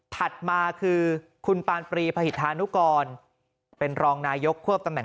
ถัดมาคือคุณปานปรีพหิษฐานุกรเป็นรองนายกควบตำแหน